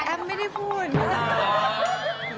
แอ๊บไม่ได้พูดค่ะ